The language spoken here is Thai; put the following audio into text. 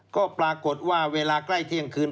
ก็ปรากฏว่าเวลาใกล้เที่ยงคืน